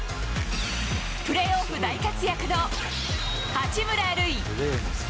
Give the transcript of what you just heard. プレーオフ大活躍の八村塁。